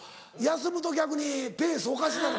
休むと逆にペースおかしなる。